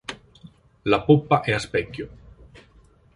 La poppa è a specchio.